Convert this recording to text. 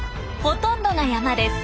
ほとんどが山です。